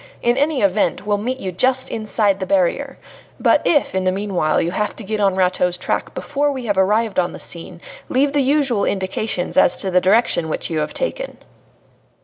In any event, we'll meet you just inside the barrier. But if, in the meanwhile, you have to get on Rateau's track before we have arrived on the scene, leave the usual indications as to the direction which you have taken."